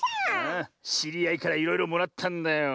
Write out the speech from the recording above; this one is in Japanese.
しりあいからいろいろもらったんだよ。